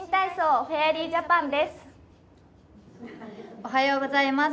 おはようございます。